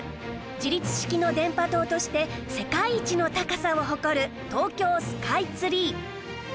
自立式の電波塔として世界一の高さを誇る東京スカイツリー